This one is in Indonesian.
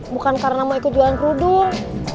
bukan karena mau ikut jualan kerudung